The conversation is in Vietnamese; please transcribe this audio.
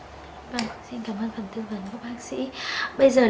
vâng xin cảm ơn phần tư vấn của bác sĩ